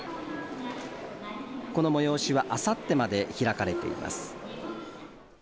この催しはあさってまで開かれています。